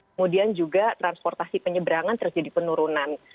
kemudian juga transportasi penyeberangan terjadi penurunan